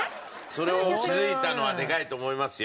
それを気づいたのはでかいと思いますよ。